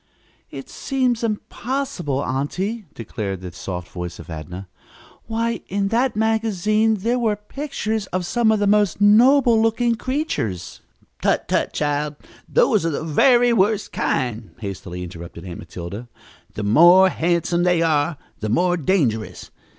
"It seems impossible, aunty," declared the soft voice of Adnah. "Why, in that magazine were the pictures of some of the most noble looking creatures " "Tut, tut, child, those are the very worst kind," hastily interrupted Aunt Matilda. "The more handsome they are, the more dangerous.